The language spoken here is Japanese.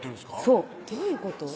そうどういうこと？